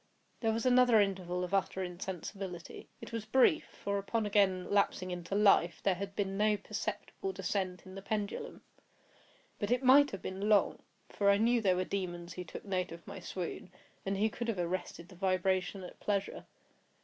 There was another interval of utter insensibility; it was brief; for, upon again lapsing into life there had been no perceptible descent in the pendulum. But it might have been long; for I knew there were demons who took note of my swoon, and who could have arrested the vibration at pleasure.